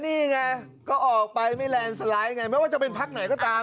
นี่ไงก็ออกไปไม่แลนด์สไลด์ไงไม่ว่าจะเป็นพักไหนก็ตาม